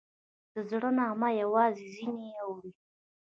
د زړه نغمه یوازې ځینې اوري